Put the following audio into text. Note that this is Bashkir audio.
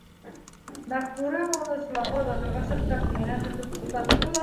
Мәғфүрә уны, соланға оҙатырға сыҡҡас, еңенән тотоп туҡтатты ла: